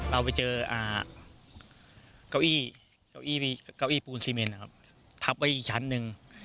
เราไปเจอเก้าอี้เก้าอี้เก้าอี้ปูนซีเมนนะครับทับไว้อีกชั้นหนึ่ง